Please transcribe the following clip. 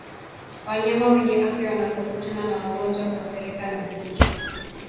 Wanyama wenye afya wanapokutana na wagonjwa huathirika na ugonjwa